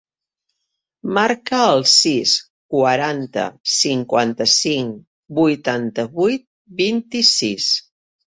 Marca el sis, quaranta, cinquanta-cinc, vuitanta-vuit, vint-i-sis.